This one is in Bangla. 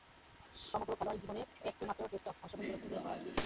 সমগ্র খেলোয়াড়ী জীবনে একটিমাত্র টেস্টে অংশগ্রহণ করেছেন লেস ওয়াট।